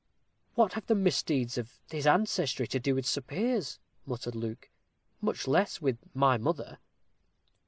"What have the misdeeds of his ancestry to do with Sir Piers," muttered Luke, "much less with my mother?"